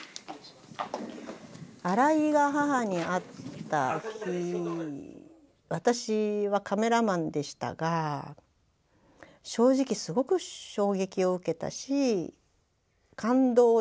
荒井が母に会った日私はカメラマンでしたが正直すごく衝撃を受けたし感動したんですよね。